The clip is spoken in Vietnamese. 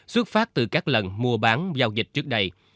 xuất phát từ các lần mua bán giao dịch trước đây